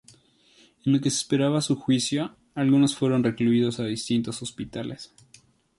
En lo que se esperaba su juicio, algunos fueron recluidos a distintos hospitales.